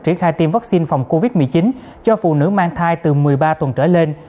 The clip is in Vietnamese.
triển khai tiêm vaccine phòng covid một mươi chín cho phụ nữ mang thai từ một mươi ba tuần trở lên